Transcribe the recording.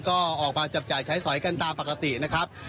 ก็ออกมาจับจ่ายใช้สอยกันตามปกตินะครับ